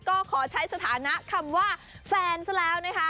ก็ขอใช้สถานะคำว่าแฟนซะแล้วนะคะ